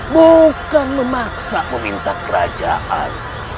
bukan memaksa meminta kerajaan